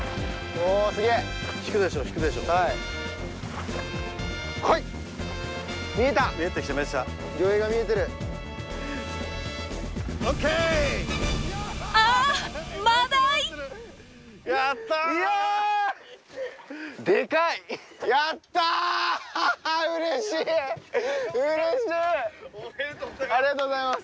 おめでとうございます！